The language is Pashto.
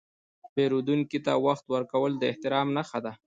پیرودونکي ته وخت ورکول د احترام نښه ده.